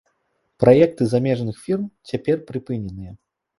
Праекты замежных фірм цяпер прыпыненыя.